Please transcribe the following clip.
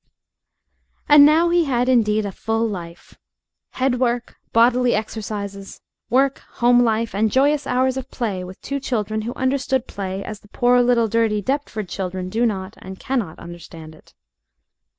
And now he had indeed a full life: head work, bodily exercises, work, home life, and joyous hours of play with two children who understood play as the poor little, dirty Deptford children do not and cannot understand it.